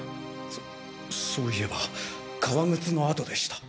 そそういえば革靴の跡でした。